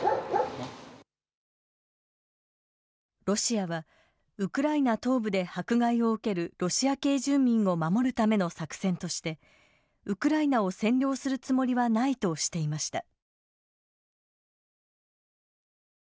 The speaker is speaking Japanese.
ロシアはウクライナ東部で迫害を受けるロシア系住民を守るための作戦としてウクライナを占領するつもりはないとしていました。